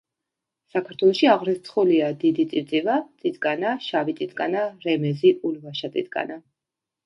საქართველოში აღრიცხულია დიდი წივწივა, წიწკანა, შავი წიწკანა, რემეზი, ულვაშა წიწკანა.